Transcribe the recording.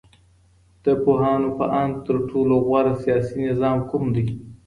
د پوهانو په اند تر ټولو غوره سياسي نظام کوم دی؟